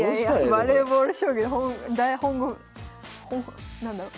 バレーボール将棋の何だろう